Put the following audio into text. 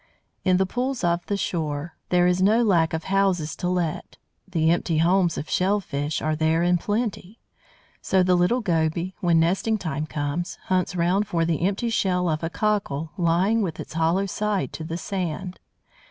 In the pools of the shore there is no lack of houses to let, the empty homes of shell fish are there in plenty. So the little Goby, when nesting time comes, hunts round for the empty shell of a Cockle lying with its hollow side to the sand.